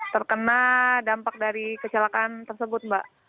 terkena dampak dari kecelakaan tersebut mbak